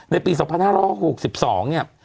ในปี๒๕๖๒เนี่ย